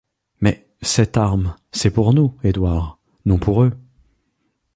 Mais, cette arme, c’est pour nous, Edward, non pour eux !…